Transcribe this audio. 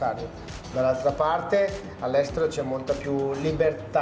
dan di beberapa tempat kita juga lebih berguna